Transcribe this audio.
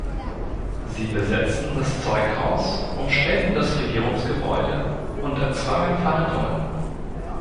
Sie besetzten das Zeughaus, umstellten das Regierungsgebäude und erzwangen Verhandlungen.